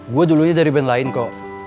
gue dulunya dari band lain kok